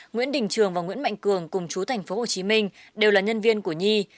nguyễn đình trường và nguyễn mạnh cường cùng chú tp hcm đều là nhân viên của nhi